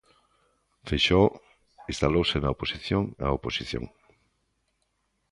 Feixóo instalouse na oposición á oposición.